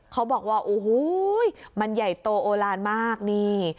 เขาบอกว่าโอ้โหมันใหญ่โตโอลานมากนี่